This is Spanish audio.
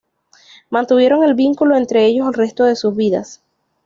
Mantuvieron el vínculo entre ellos el resto de sus vidas.